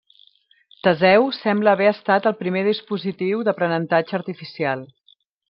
Teseu sembla haver estat el primer dispositiu d'aprenentatge artificial.